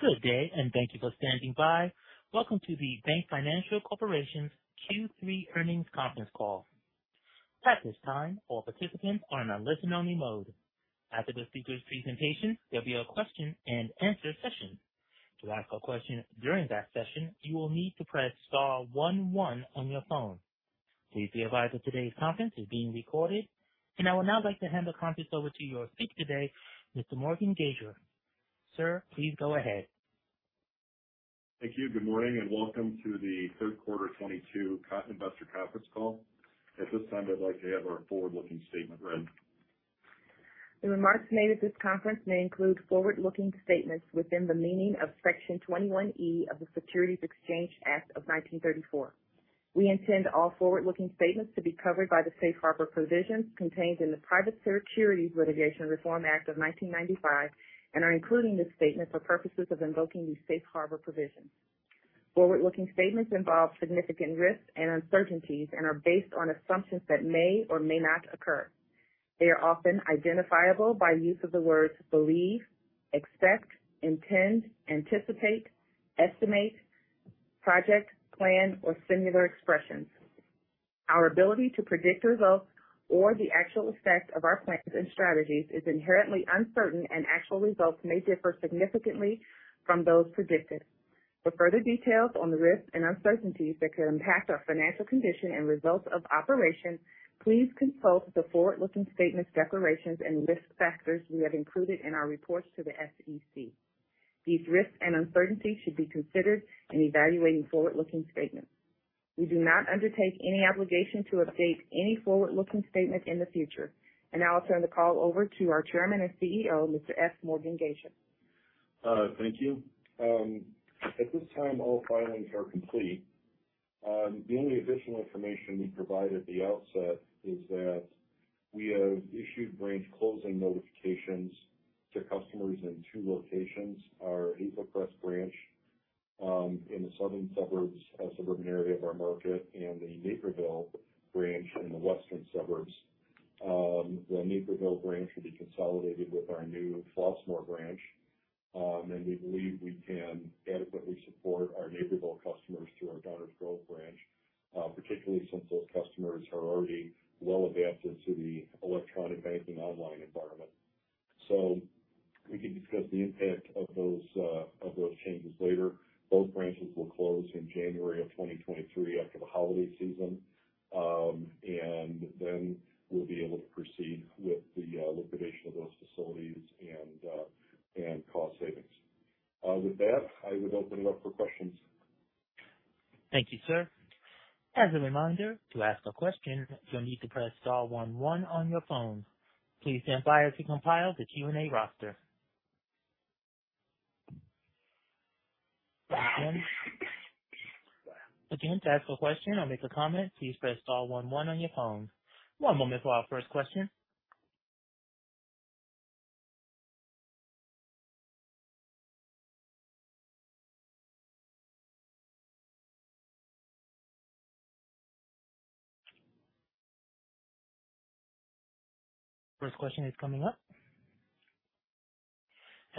Good day, and thank you for standing by. Welcome to the BankFinancial Corporation's Q3 Earnings Conference Call. At this time, all participants are in a listen only mode. After the speaker's presentation, there'll be a question and answer session. To ask a question during that session, you will need to press star one one on your phone. Please be advised that today's conference is being recorded. I would now like to hand the conference over to your speaker today, Mr. F. Morgan Gasior. Sir, please go ahead. Thank you. Good morning, and welcome to the Q3 2022 investor conference call. At this time, I'd like to have our forward-looking statement read. The remarks made at this conference may include forward-looking statements within the meaning of Section 21E of the Securities Exchange Act of 1934. We intend all forward-looking statements to be covered by the safe harbor provisions contained in the Private Securities Litigation Reform Act of 1995 and are including this statement for purposes of invoking these safe harbor provisions. Forward-looking statements involve significant risks and uncertainties and are based on assumptions that may or may not occur. They are often identifiable by use of the words believe, expect, intend, anticipate, estimate, project, plan, or similar expressions. Our ability to predict results or the actual effect of our plans and strategies is inherently uncertain, and actual results may differ significantly from those predicted. For further details on the risks and uncertainties that could impact our financial condition and results of operation, please consult the forward-looking statements, declarations, and risk factors we have included in our reports to the SEC. These risks and uncertainties should be considered in evaluating forward-looking statements. We do not undertake any obligation to update any forward-looking statement in the future. Now I'll turn the call over to our Chairman and CEO, Mr. F. Morgan Gasior. Thank you. At this time, all filings are complete. The only additional information we provide at the outset is that we have issued branch closing notifications to customers in two locations, our Eagle Crest branch, in the southern suburbs, suburban area of our market, and the Naperville branch in the western suburbs. The Naperville branch will be consolidated with our new Flossmoor branch. We believe we can adequately support our Naperville customers through our Downers Grove branch, particularly since those customers are already well adapted to the electronic banking online environment. We can discuss the impact of those changes later. Both branches will close in January of 2023 after the holiday season. Then we'll be able to proceed with the liquidation of those facilities and cost savings. With that, I would open it up for questions. Thank you, sir. As a reminder, to ask a question, you'll need to press star one one on your phone. Please stand by as we compile the Q&A roster. Again, to ask a question or make a comment, please press star one one on your phone. One moment for our first question. First question is coming up.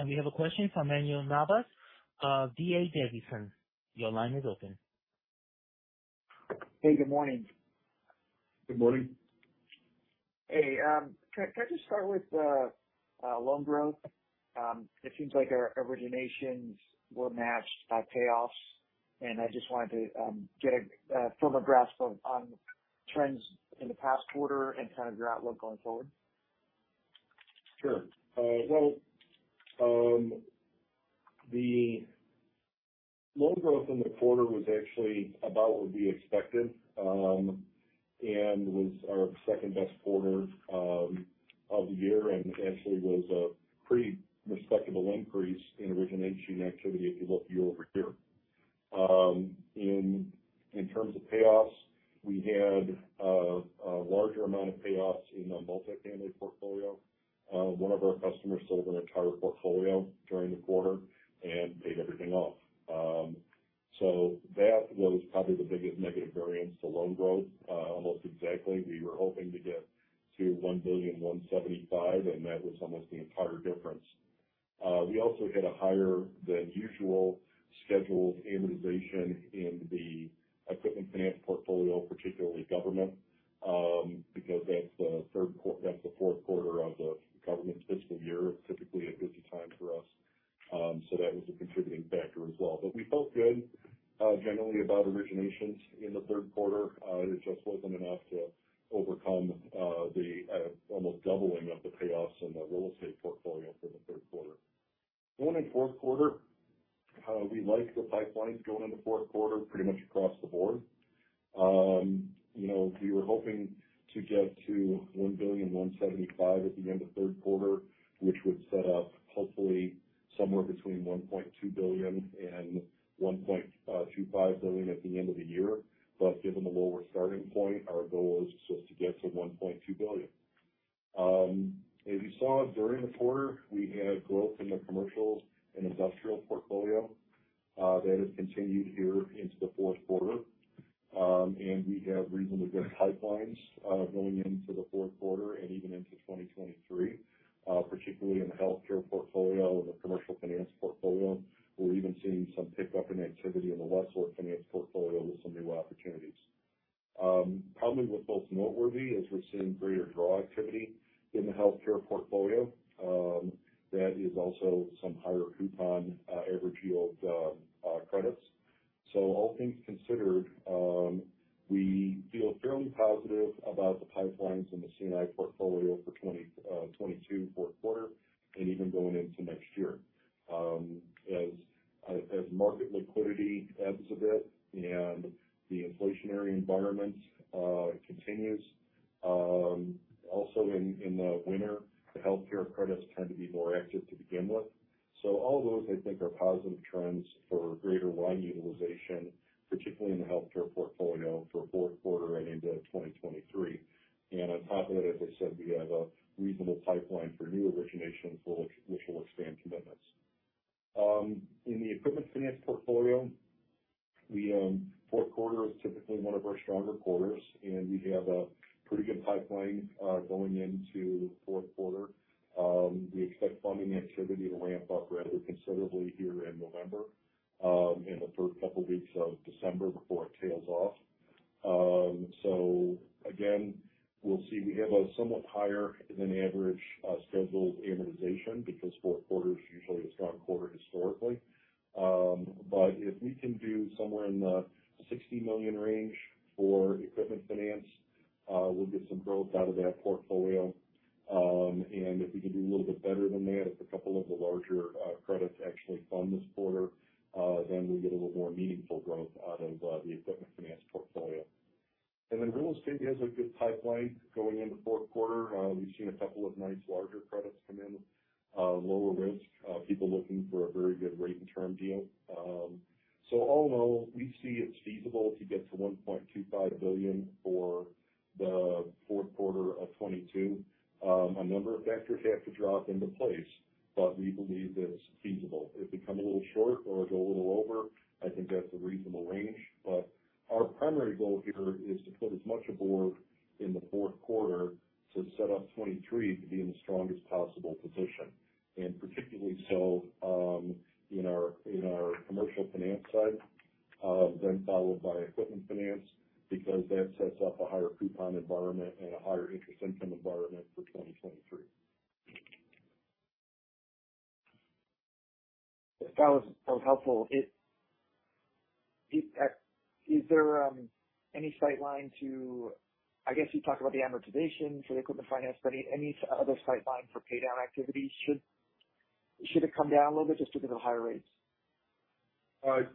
We have a question from Manuel Navas of D.A. Davidson & Co. Your line is open. Hey, good morning. Good morning. Hey, can I just start with loan growth? It seems like our originations will match payoffs. I just wanted to get a firm grasp on trends in the past quarter and kind of your outlook going forward. Sure. Well, the loan growth in the quarter was actually about what we expected, and was our best Q2 of the year, and actually was a pretty respectable increase in origination activity if you look year-over-year. In terms of payoffs, we had a larger amount of payoffs in the multifamily portfolio. One of our customers sold an entire portfolio during the quarter and paid everything off. That was probably the biggest negative variance to loan growth. Almost exactly, we were hoping to get to $1.175 billion, and that was almost the entire difference. We also had a higher than usual scheduled amortization in the equipment finance portfolio, particularly government, because that's the Q4 of the government fiscal year. Typically a busy time for us. That was a contributing factor as well. We felt good, generally about originations in the Q3. It just wasn't enough to overcome the almost doubling of the payoffs in the real estate portfolio for the Q3. Going in Q4, we like the pipelines going into Q4, pretty much across the board. We were hoping to get to $1.175 billion at the end of Q3, which would set up hopefully somewhere between $1.2 billion and $1.25 billion at the end of the year. Given the lower starting point, our goal is just to get to $1.2 billion. As you saw during the quarter, we had growth in the commercial and industrial portfolio that has continued here into the Q4. We have reasonably good pipelines going into the Q4 and even into 2023, particularly in the healthcare portfolio and the commercial finance portfolio. We're even seeing some pickup in activity in the lessor finance portfolio with some new opportunities. Probably what's most noteworthy is we're seeing greater draw activity in the healthcare portfolio. That is also some higher coupon average yield credits. All things considered, we feel fairly positive about the pipelines in the C&I portfolio for 2022 Q4 and even going into next year. As market liquidity ebbs a bit and the inflationary environment continues, also in the winter, the healthcare credits tend to be more active to begin with. All those, I think, are positive trends for greater line utilization, particularly in the healthcare portfolio for Q4 and into 2023. On top of that, as I said, we have a reasonable pipeline for new originations, which will expand commitments. In the equipment finance portfolio, Q4 is typically one of our stronger quarters, and we have a pretty good pipeline going into the Q4. We expect funding activity to ramp up rather considerably here in November, in the first couple weeks of December before it tails off. Again, we'll see. We have a somewhat higher than average scheduled amortization because Q4 is usually a strong quarter historically. If we can do somewhere in the $60 million range for equipment finance, we'll get some growth out of that portfolio. If we can do a little bit better than that, if a couple of the larger credits actually fund this quarter, then we get a little more meaningful growth out of the equipment finance portfolio. Real estate has a good pipeline going into Q4. We've seen a couple of nice larger credits come in, lower risk, people looking for a very good rate and term deal. All in all, we see it's feasible to get to $1.25 billion for the Q4 of 2022. A number of vectors have to drop into place, but we believe that it's feasible. If we come in a little short or go a little over, I think that's a reasonable range. Our primary goal here is to put as much aboard in the Q4 to set up 2023 to be in the strongest possible position, and particularly so, in our commercial finance side, then followed by equipment finance, because that sets up a higher coupon environment and a higher interest income environment for 2023. That was helpful. Is there any sightline to I guess you talked about the amortization for the equipment finance, but any other sightline for pay down activity? Should it come down a little bit just because of higher rates?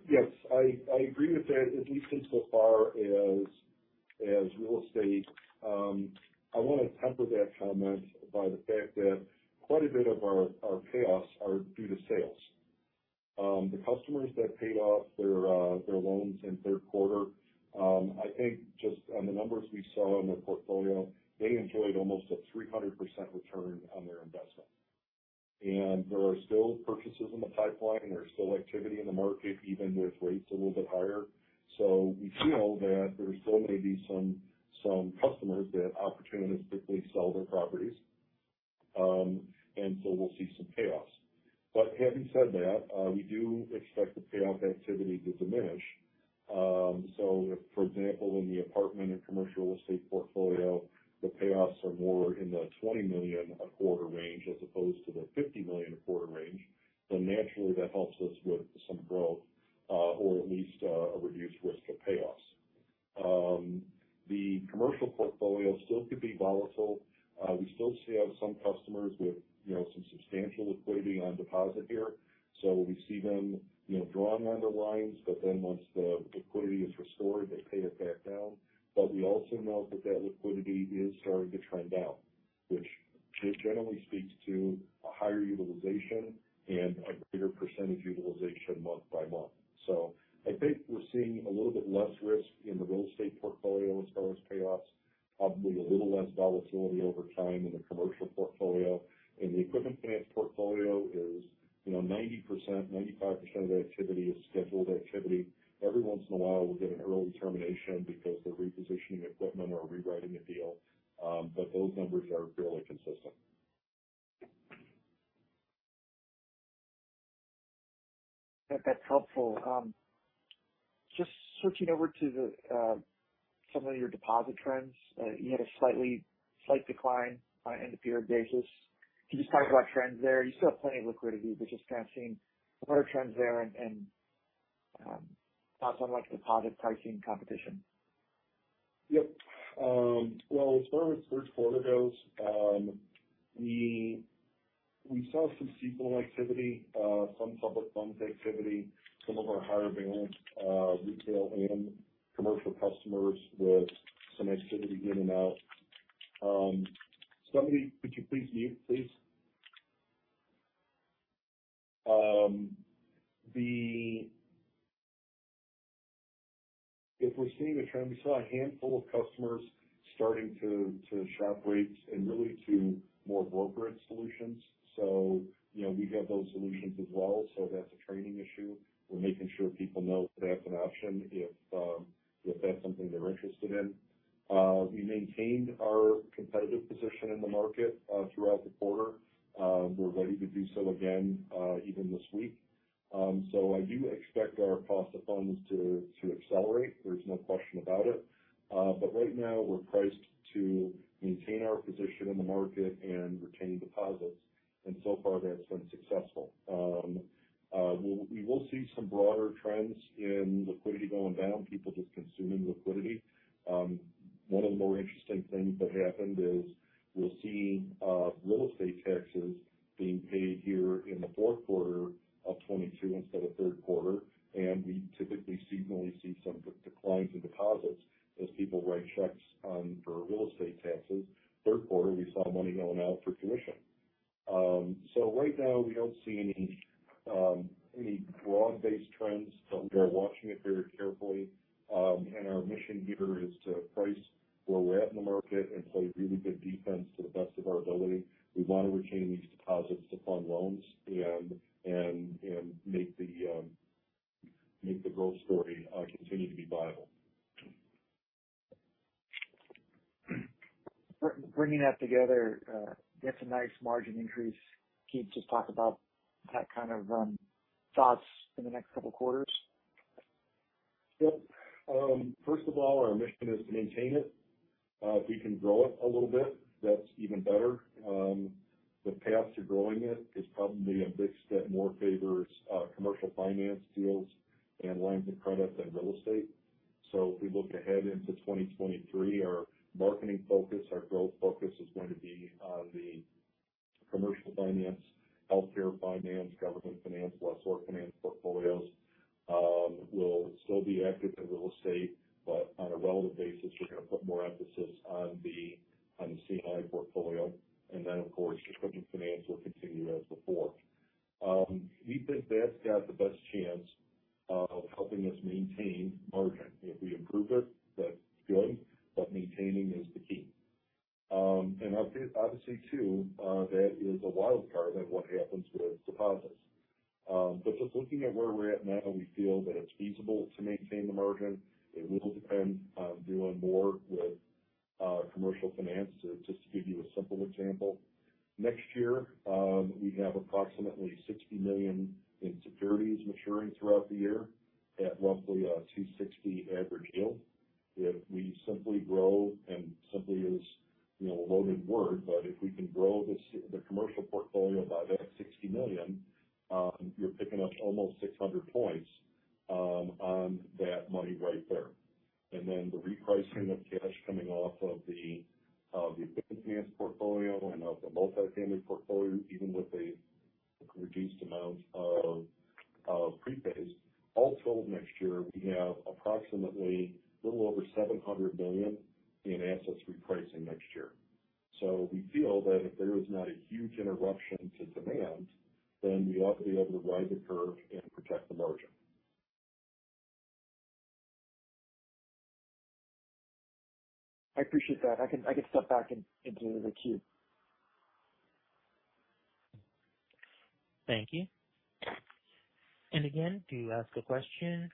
Yes. I agree with that, at least insofar as real estate. I wanna temper that comment by the fact that quite a bit of our payoffs are due to sales. The customers that paid off their loans in Q3, I think just on the numbers we saw in the portfolio, they enjoyed almost a 300% return on their investment. There are still purchases in the pipeline. There's still activity in the market, even with rates a little bit higher. We feel that there still may be some customers that opportunistically sell their properties, and so we'll see some payoffs. Having said that, we do expect the payoff activity to diminish. For example, in the apartment and commercial real estate portfolio, the payoffs are more in the $20 million a quarter range as opposed to the $50 million a quarter range. Naturally, that helps us with some growth, or at least, a reduced risk of payoffs. The commercial portfolio still could be volatile. We still see some customers with some substantial liquidity on deposit here. We see them drawing on their lines, but then once the liquidity is restored, they pay it back down. We also note that that liquidity is starting to trend down, which generally speaks to a higher utilization and a greater percentage utilization month by month. I think we're seeing a little bit less risk in the real estate portfolio as far as payoffs, probably a little less volatility over time in the commercial portfolio. In the equipment finance portfolio is 90%-95% of the activity is scheduled activity. Every once in a while, we'll get an early termination because they're repositioning equipment or rewriting the deal. But those numbers are fairly consistent. That's helpful. Just switching over to some of your deposit trends. You had a slight decline on an end of period basis. Can you just talk about trends there? You still have plenty of liquidity, but just kind of seeing what are trends there and thoughts on like deposit pricing competition. Yep. Well, as far as Q3 goes, we saw some seasonal activity, some public funds activity, some of our higher balance retail and commercial customers with some activity in and out. Somebody, could you please mute, please? If we're seeing a trend, we saw a handful of customers starting to shop rates and really turn to more brokerage solutions. We have those solutions as well. That's a training issue. We're making sure people know that that's an option if that's something they're interested in. We maintained our competitive position in the market throughout the quarter. We're ready to do so again, even this week. I do expect our cost of funds to accelerate. There's no question about it. Right now we're priced to maintain our position in the market and retain deposits, and so far that's been successful. We will see some broader trends in liquidity going down, people just consuming liquidity. One of the more interesting things that happened is we're seeing real estate taxes being paid here in the Q4 of 2022 instead of Q3. We typically seasonally see some declines in deposits as people write checks for real estate taxes. Q3, we saw money going out for tuition. Right now we don't see any broad-based trends, but we are watching it very carefully. Our mission here is to price where we're at in the market and play really good defense to the best of our ability. We want to retain these deposits to fund loans and make the growth story continue to be viable. Bringing that together, that's a nice margin increase. Can you just talk about that kind of thoughts in the next couple quarters? Sure. First of all, our mission is to maintain it. If we can grow it a little bit, that's even better. The path to growing it is probably a mix that more favors, commercial finance deals and lines of credit than real estate. If we look ahead into 2023, our marketing focus, our growth focus is going to be on the commercial finance, healthcare finance, government finance, lessor finance portfolios. We'll still be active in real estate, but on a relative basis, we're going to put more emphasis on the C&I portfolio, and then of course, equipment finance will continue as before. We think that's got the best chance of helping us maintain margin. If we improve it, that's good, but maintaining is the key. Obviously too, that is a wildcard on what happens with deposits. Just looking at where we're at now, we feel that it's feasible to maintain the margin. It will depend on doing more with commercial finance. Just to give you a simple example, next year we have approximately $60 million in securities maturing throughout the year at roughly a 2.60% average yield. If we simply grow, and simply is a loaded word, but if we can grow this, the commercial portfolio by that $60 million, you're picking up almost 600 points on that money right there. Then the repricing of cash coming off of the advance portfolio and of the multifamily portfolio, even with a reduced amount of prepays. All told, next year we have approximately a little over $700 million in assets repricing next year. We feel that if there is not a huge interruption to demand, then we ought to be able to ride the curve and protect the margin. I appreciate that. I can step back into the queue. Thank you. Again, to ask a question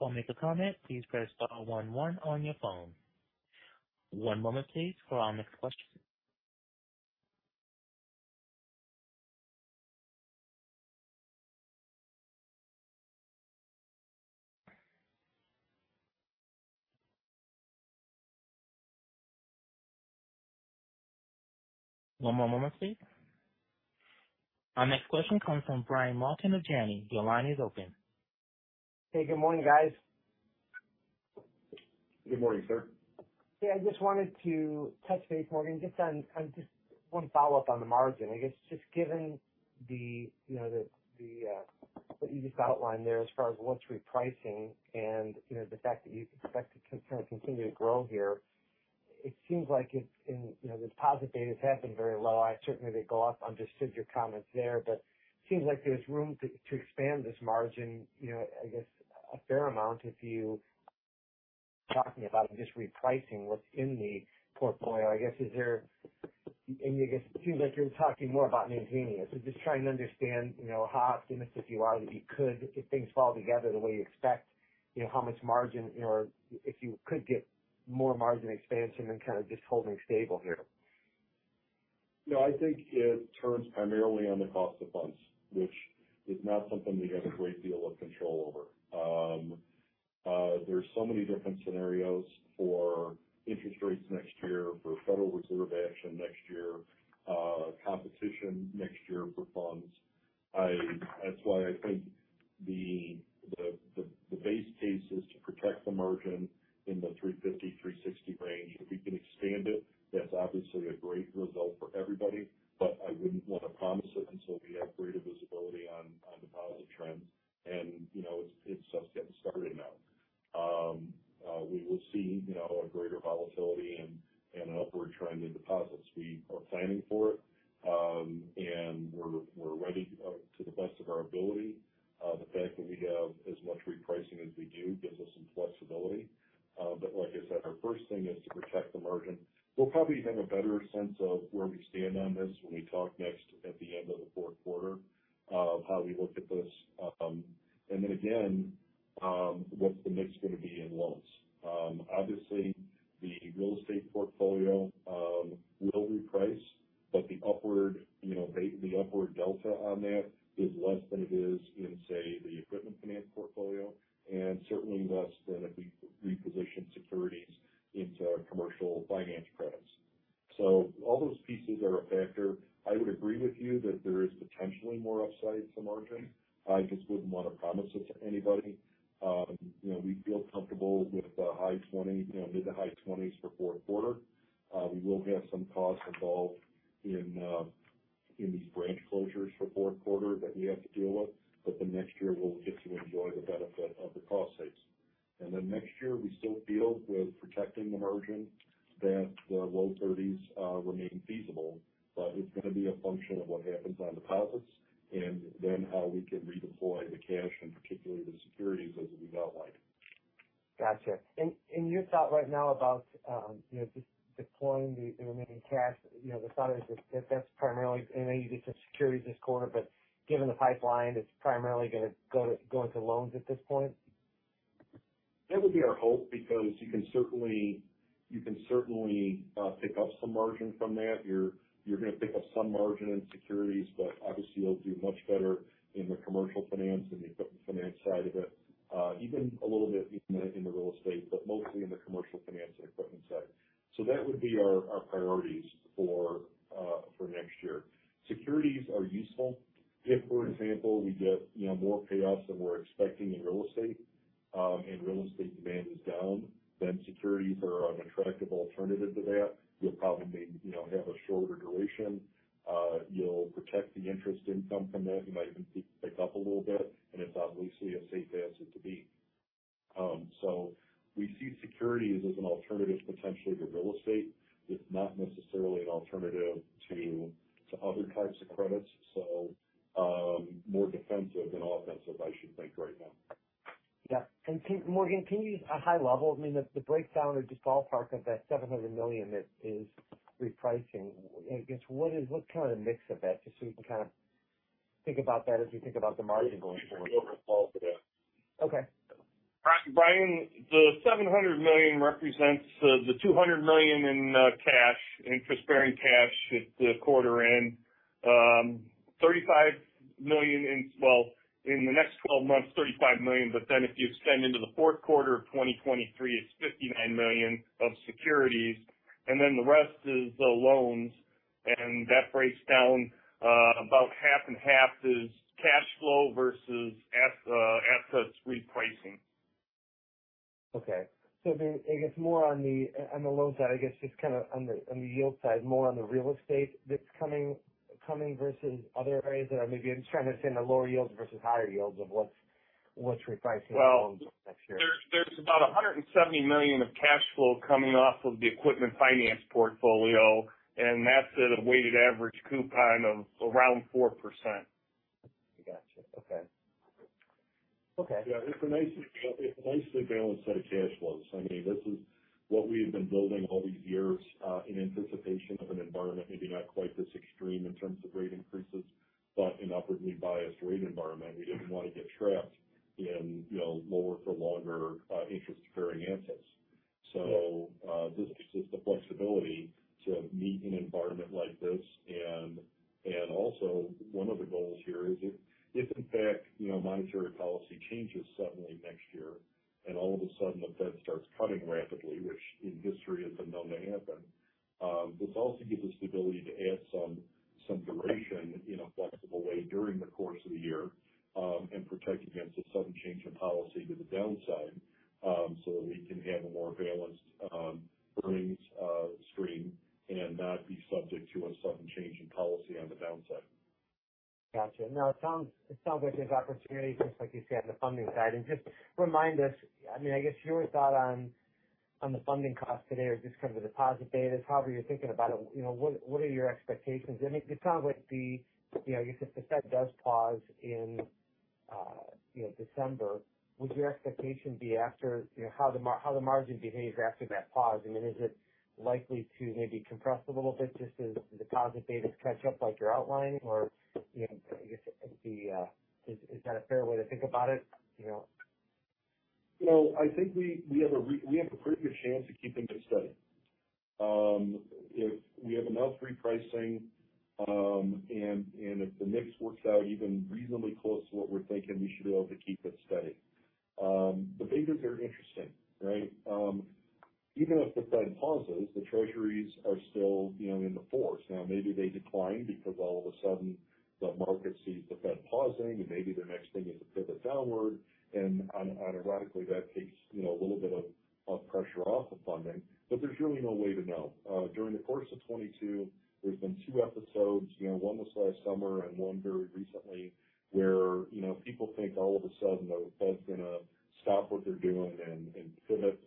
or make a comment, please press star one one on your phone. One moment please for our next question. One more moment, please. Our next question comes from Brian Martin of Janney. Your line is open. Hey, good morning, guys. Good morning, sir. Yeah, I just wanted to touch base, Morgan. I just want to follow up on the margin. I guess just given the what you just outlined there as far as what's repricing and the fact that you expect to kind of continue to grow here, it seems like it's in. The deposit data has been very low. Certainly they go up. Understood your comments there. But seems like there's room to expand this margin I guess a fair amount if you talking about just repricing what's in the portfolio. I guess is there. I guess it seems like you're talking more about maintaining it. Just trying to understand how optimistic you are that you could, if things fall together the way you expect how much margin or if you could get more margin expansion than kind of just holding stable here., I think it turns primarily on the cost of funds, which is not something we have a great deal of control over. There's so many different scenarios for interest rates next year, for Federal Reserve action next year, competition next year for funds. That's why I think the base case is to protect the margin in the 3.50%-3.60% range. If we can expand it, that's obviously a great result for everybody, but I wouldn't want to promise it until we have greater visibility on deposit trends. It's just getting started now. We will see a greater volatility and upward trend in deposits. We are planning for it. We're ready to the best of our ability. The fact that we have as much repricing as we do gives us some flexibility. Like I said, our first thing is to protect the margin. We'll probably have a better sense of where we stand on this when we talk next at the end of the Q4 of how we look at this. What's the mix gonna be in loans. Obviously the real estate portfolio will reprice, but the upward the upward delta on that is less than it is in, say, the equipment finance portfolio, and certainly less than if we reposition securities into commercial finance credits. All those pieces are a factor. I would agree with you that there is potentially more upside to margin. I just wouldn't want to promise it to anybody., we feel comfortable with the high 20s mid-to-high 20s% for Q4. We will have some costs involved in these branch closures for Q4 that we have to deal with, but then next year we'll get to enjoy the benefit of the cost savings. Next year we still feel with protecting the margin that the low 30s% remain feasible, but it's gonna be a function of what happens on deposits and then how we can redeploy the cash and particularly the securities as we've outlined. Got it. Your thought right now about redeploying the remaining cash the thought is just if that's primarily. I know you get some securities this quarter, but given the pipeline, it's primarily gonna go to, go into loans at this point? That would be our hope, because you can certainly pick up some margin from that. You're gonna pick up some margin in securities, but obviously you'll do much better in the commercial finance and the equipment finance side of it, even a little bit in the real estate, but mostly in the commercial finance and equipment side. That would be our priorities for next year. Securities are useful. If, for example, we get more payoffs than we're expecting in real estate, and real estate demand is down, then securities are an attractive alternative to that. You'll probably have a shorter duration. You'll protect the interest income from that. You might even see it tick up a little bit, and it's obviously a safe asset to be. We see securities as an alternative potentially to real estate. It's not necessarily an alternative to other types of credits. More defensive than offensive, I should think right now. Yeah. Can you high level, I mean, the breakdown or just ballpark of that $700 million that is repricing, I guess what kind of mix of that, just so we can kind of think about that as we think about the margin going forward. Maybe Steve can go over it all for that. Okay. Brian, the $700 million represents the $200 million in cash, interest-bearing cash at the quarter end. Well, in the next twelve months, $35 million, but then if you extend into the Q4 of 2023, it's $59 million of securities, and then the rest is the loans. That breaks down about half and half is cash flow versus assets repricing. Okay. I guess more on the loan side, I guess just kind of on the yield side, more on the real estate that's coming versus other areas that are maybe, I'm just trying to understand the lower yields versus higher yields of what's repricing next year? There's $170 million of cash flow coming off of the equipment finance portfolio, and that's at a weighted average coupon of around 4%. Got it. Okay. Okay. Yeah, it's a nicely balanced set of cash flows. I mean, this is what we have been building all these years in anticipation of an environment, maybe not quite this extreme in terms of rate increases, but an upwardly biased rate environment. We didn't want to get trapped in lower for longer interest-bearing assets. This gives us the flexibility to meet an environment like this. Also one of the goals here is if in fact monetary policy changes suddenly next year and all of a sudden the Fed starts cutting rapidly, which in history hasn't been known to happen, this also gives us the ability to add some duration in a flexible way during the course of the year, and protect against a sudden change in policy to the downside, so that we can have a more balanced earnings stream and not be subject to a sudden change in policy on the downside. Got it. No, it sounds like there's opportunity, just like you said, on the funding side. Just remind us, I mean, I guess your thought on the funding cost today or just kind of the deposit betas, however you're thinking about it what are your expectations? It sounds like the I guess if the Fed does pause in December, would your expectation be after how the margin behaves after that pause? I mean, is it likely to maybe compress a little bit just as the deposit betas catch up like you're outlining?, I guess it'd be, is that a fair way to think about it?. I think we have a pretty good chance of keeping it steady. If we have enough repricing, and if the mix works out even reasonably close to what we're thinking, we should be able to keep it steady. The betas are interesting, right? Even if the Fed pauses, the Treasuries are still in the fours. Now, maybe they decline because all of a sudden the market sees the Fed pausing, and maybe the next thing is a pivot downward. Unironically that takes a little bit of pressure off of funding, but there's really no way to know. During the course of 2022, there's been 2 episodes one was last summer and one very recently, where people think all of a sudden the Fed's gonna stop what they're doing and pivot.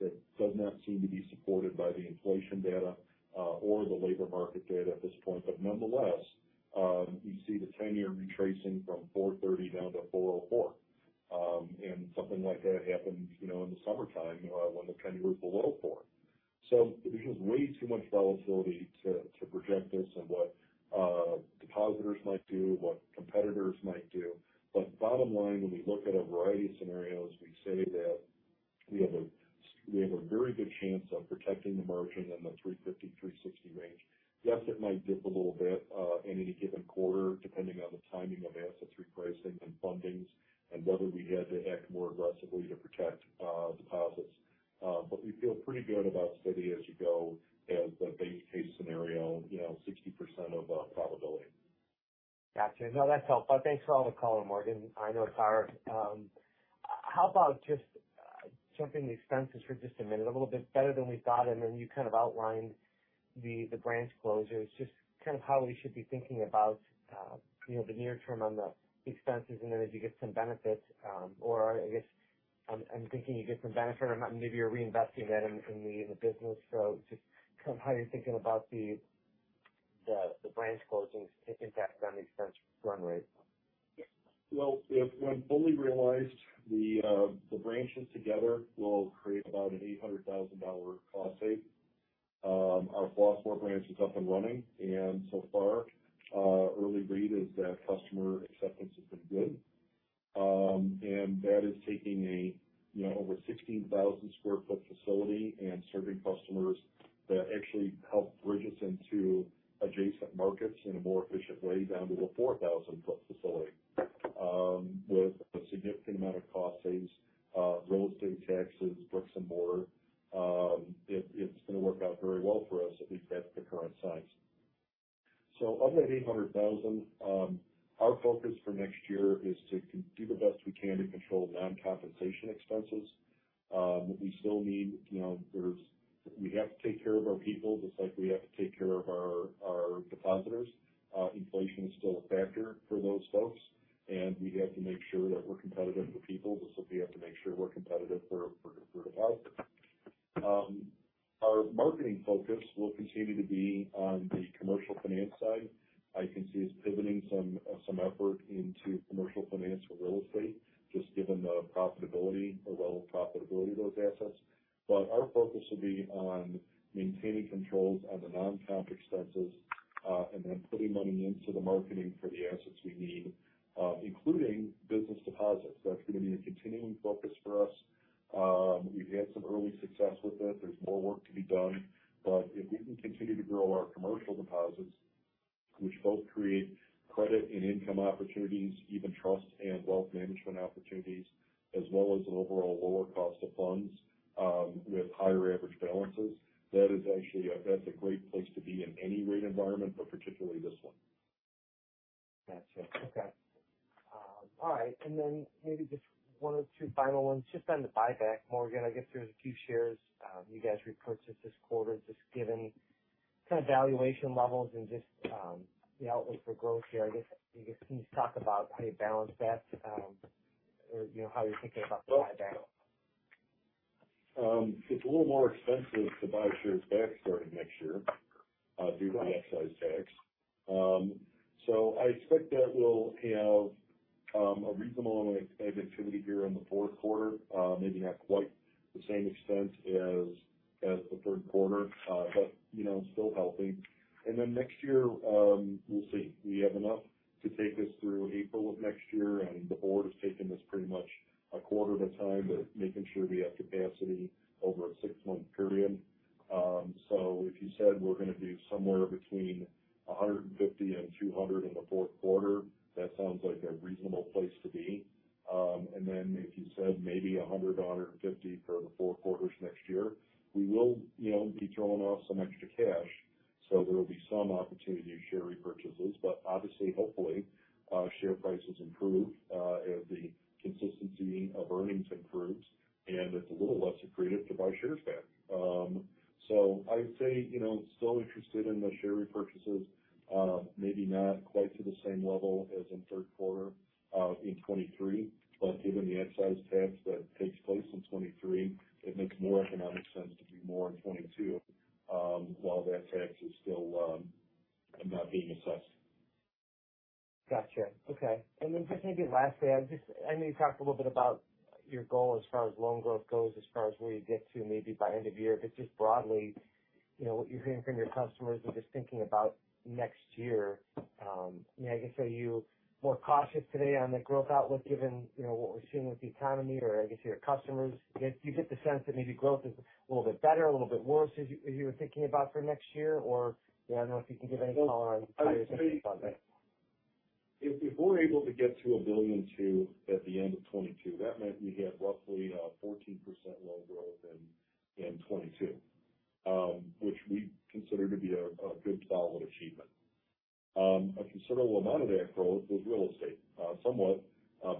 It does not seem to be supported by the inflation data or the labor market data at this point. Nonetheless, you see the 10-year retracing from 4.30 down to 4.04. And something like that happened in the summertime when the 10-year was below four. There's just way too much volatility to project this and what depositors might do, what competitors might do. bottom line, when we look at a variety of scenarios, we say that we have a very good chance of protecting the margin in the 3.50%-3.60% range. Yes, it might dip a little bit in any given quarter, depending on the timing of assets repricing and fundings and whether we had to act more aggressively to protect deposits. but we feel pretty good about steady as you go as the base case scenario 60% probability. Got it. No, that's helpful. Thanks for all the color, Morgan. I know it's hard. How about just jumping to expenses for just a minute. A little bit better than we thought, and then you kind of outlined the branch closures. Just kind of how we should be thinking about the near term on the expenses and then as you get some benefits. Or I guess I'm thinking you get some benefit or not, and maybe you're reinvesting that in the business. Just kind of how you're thinking about the branch closings impact on the expense run rate. Well, if when fully realized, the branches together will create about an $800,000 cost savings. Our Flossmoor branch is up and running, and so far, early read is that customer acceptance has been good. That is taking a over 16,000 sq ft facility and serving customers that actually help bridge us into adjacent markets in a more efficient way down to a 4,000 sq ft facility, with a significant amount of cost savings, real estate taxes, bricks and mortar. It's gonna work out very well for us. At least that's the current sense. Of that $800,000, our focus for next year is to do the best we can to control non-compensation expenses. We still need there's We have to take care of our people just like we have to take care of our depositors. Inflation is still a factor for those folks, and we have to make sure that we're competitive for people just like we have to make sure we're competitive for deposits. Our marketing focus will continue to be on the commercial finance side. I can see us pivoting some effort into commercial finance for real estate, just given the profitability or level of profitability of those assets. Our focus will be on maintaining controls on the non-comp expenses, and then putting money into the marketing for the assets we need, including business deposits. That's gonna be a continuing focus for us. We've had some early success with it. There's more work to be done. If we can continue to grow our commercial deposits, which both create credit and income opportunities, even trust and wealth management opportunities, as well as an overall lower cost of funds, with higher average balances, that's a great place to be in any rate environment, but particularly this one. Got it. Okay. All right. Maybe just one or two final ones just on the buyback. Morgan, I guess there's a few shares you guys repurchased this quarter. Just given kind of valuation levels and just the outlook for growth here, I guess can you just talk about how you balance that, or how you're thinking about the buyback? It's a little more expensive to buy shares back starting next year due to the excise tax. I expect that we'll have a reasonable amount of activity here in the Q4. Maybe not quite the same expense as the Q3, but, still helping. Next year, more cautious today on the growth outlook given what we're seeing with the economy or I guess your customers? Do you get the sense that maybe growth is a little bit better, a little bit worse as you were thinking about for next year?, I don't know if you can give any color on how you're thinking about that. If we're able to get to $1.2 billion at the end of 2022, that meant we had roughly 14% loan growth in 2022, which we consider to be a good solid achievement. A considerable amount of that growth was real estate. Somewhat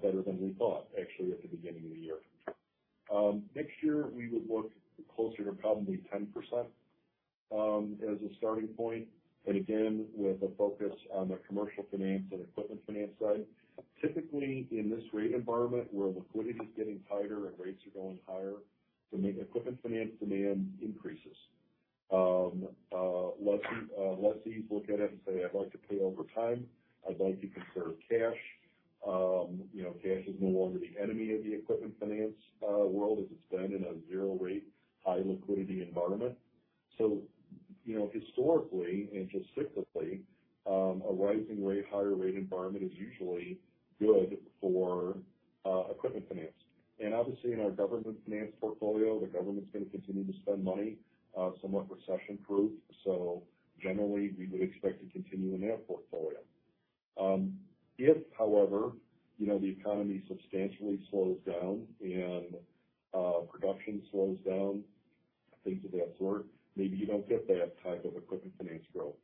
better than we thought, actually, at the beginning of the year. Next year we would look closer to probably 10%. As a starting point, and again, with a focus on the commercial finance and equipment finance side, typically in this rate environment where liquidity is getting tighter and rates are going higher, the equipment finance demand increases. Lessees look at it and say, "I'd like to pay over time. I'd like to conserve cash.", cash is no longer the enemy of the equipment finance world as it's been in a zero rate, high liquidity environment. Historically and just cyclically, a rising rate, higher rate environment is usually good for equipment finance. Obviously in our government finance portfolio, the government's gonna continue to spend money, somewhat recession-proof. Generally, we would expect to continue in that portfolio. If however the economy substantially slows down and, production slows down, things of that sort, maybe you don't get that type of equipment finance growth,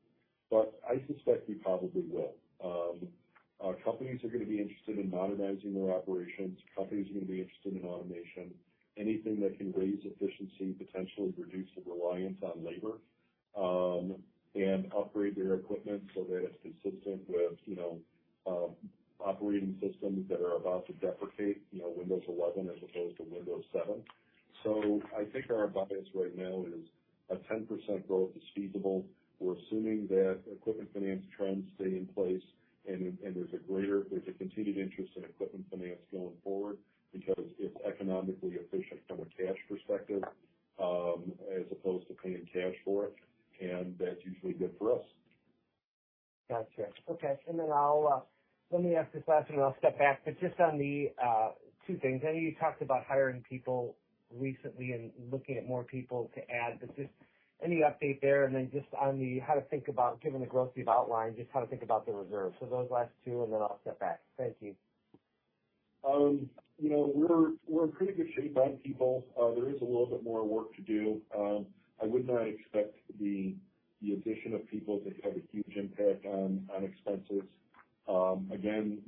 but I suspect we probably will. Our companies are gonna be interested in modernizing their operations. Companies are gonna be interested in automation. Anything that can raise efficiency, potentially reduce the reliance on labor, and upgrade their equipment so that it's consistent with operating systems that are about to deprecate Windows 11 as opposed to Windows 7. I think our bias right now is a 10% growth is feasible. We're assuming that equipment finance trends stay in place and there's a continued interest in equipment finance going forward because it's economically efficient from a cash perspective, as opposed to paying cash for it, and that's usually good for us. Got it. Okay. Let me ask this last one, and then I'll step back. Just on the two things. I know you talked about hiring people recently and looking at more people to add, but just any update there? Just on how to think about, given the growth you've outlined, just how to think about the reserve. Those last two, and then I'll step back. Thank you. , we're in pretty good shape on people. There is a little bit more work to do. I would not expect the addition of people to have a huge impact on expenses. Again,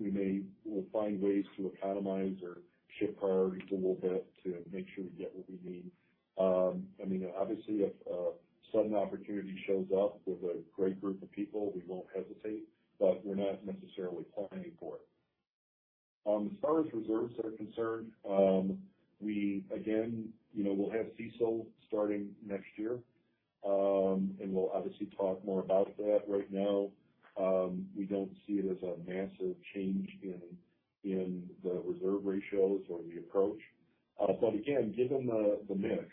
we'll find ways to economize or shift priorities a little bit to make sure we get what we need. I mean, obviously if a sudden opportunity shows up with a great group of people, we won't hesitate, but we're not necessarily planning for it. As far as reserves are concerned, we again we'll have CECL starting next year, and we'll obviously talk more about that. Right now, we don't see it as a massive change in the reserve ratios or the approach. Given the mix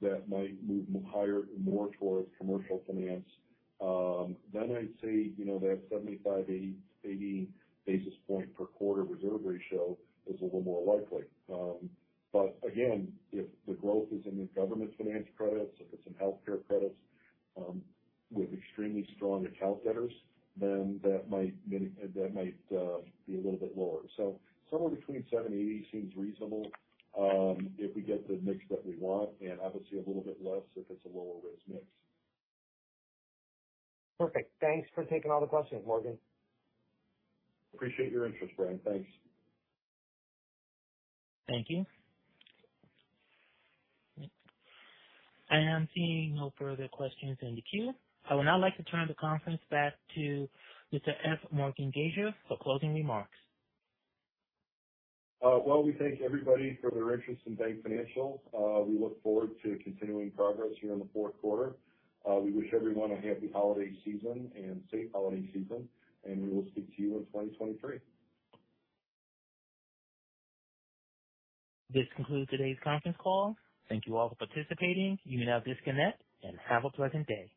that might move higher more towards commercial finance, then I'd say that 75, 80 basis point per quarter reserve ratio is a little more likely. If the growth is in the government finance credits or if it's in healthcare credits, with extremely strong account debtors, then that might be a little bit lower. Somewhere between 7 and 80 seems reasonable, if we get the mix that we want, and obviously a little bit less if it's a lower risk mix. Perfect. Thanks for taking all the questions, Morgan. Appreciate your interest, Brian. Thanks. Thank you. I am seeing no further questions in the queue. I would now like to turn the conference back to Mr. F. Morgan Gasior for closing remarks. Well, we thank everybody for their interest in BankFinancial. We look forward to continuing progress here in the Q4. We wish everyone a happy holiday season and safe holiday season, and we will speak to you in 2023. This concludes today's conference call. Thank you all for participating. You may now disconnect and have a pleasant day.